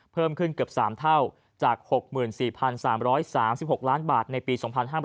เพิ่มขึ้นเกือบ๓เท่าจาก๖๔๓๓๖ล้านบาทในปี๒๕๕๙